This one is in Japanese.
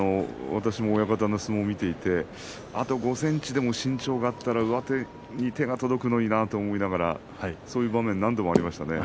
私も親方の相撲を見ていて、あと５ｃｍでも身長があったら上手に手が届くのになという場面が何度もありましたね。